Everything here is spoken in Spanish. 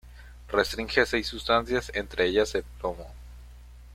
Restringe seis sustancias, entre ellas el plomo.